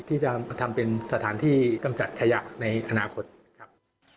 ที่จะมาทำเป็นสถานที่กำจัดขยะในอนาคตครับ